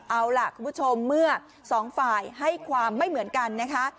เอาล่ะคุณผู้ชมเมื่อสองฝ่ายให้ความไม่เหมือนกันนะคะ